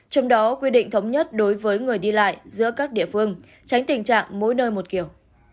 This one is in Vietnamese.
trong đó quy định thống nhất đối với người đi lại giữa các địa phương tránh tình trạng mỗi nơi một kiểu